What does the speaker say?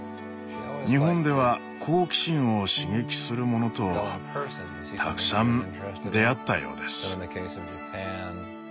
日本では好奇心を刺激するものとたくさん出会ったようです。